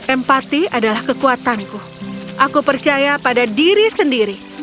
empati adalah kekuatanku aku percaya pada diri sendiri